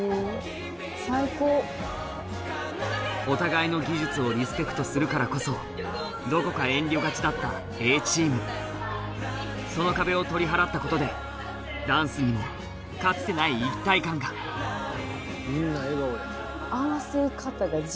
お互いの技術をリスペクトするからこそどこか遠慮がちだったＡチームその壁を取り払ったことでダンスにもかつてない一体感がみんな笑顔や。